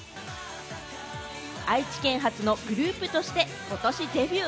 愛知県初のグループとしてことしデビュー。